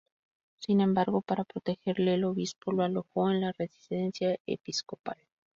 Sin embargo, para protegerle, el obispo lo alojó en la residencia episcopal.